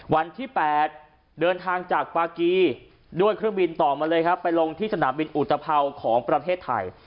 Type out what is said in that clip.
วันที่๘เดินทางจากปากีด้วยเครื่องบินต่อมาเลยครับไปลงที่สนามบินอุตภัวร์ของประเทศไทย